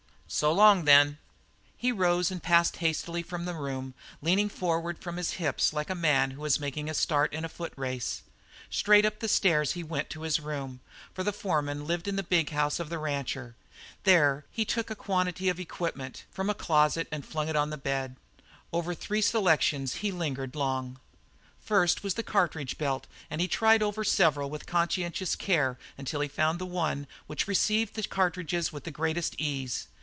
"So long, then." He rose and passed hastily from the room, leaning forward from the hips like a man who is making a start in a foot race. Straight up the stairs he went to his room, for the foreman lived in the big house of the rancher. There he took a quantity of equipment from a closet and flung it on the bed. Over three selections he lingered long. The first was the cartridge belt, and he tried over several with conscientious care until he found the one which received the cartridges with the greatest ease.